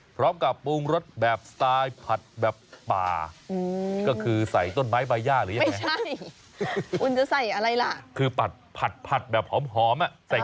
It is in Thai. พร้อมกับปรุงรสแบบสไตล์ผัดแบบป่าก็คือใส่ต้นไม้ใบย่าหรือยังไง